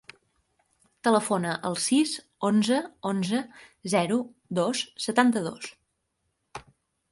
Telefona al sis, onze, onze, zero, dos, setanta-dos.